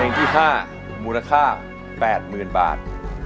เพลงที่๕มูลค่า๘๐๐๐บาท